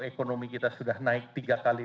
ekonomi kita sudah naik tiga kali